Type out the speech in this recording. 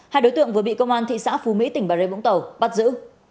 hai đối tượng vừa bị công an tp phú mỹ tp bà rê vũng tàu bắt giữ